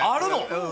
うん。